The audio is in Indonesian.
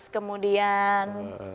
empat belas sembilan belas kemudian